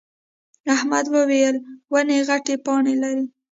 احمد وويل: ونې غتې پاڼې لري.